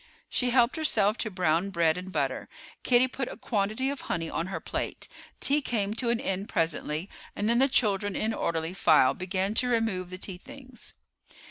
She helped herself to brown bread and butter. Kitty put a quantity of honey on her plate. Tea came to an end presently, and then the children in orderly file began to remove the tea things.